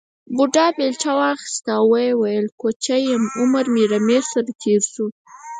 بوډا بېلچه واخیسته او وویل کوچی یم عمر مې رمې سره تېر شو.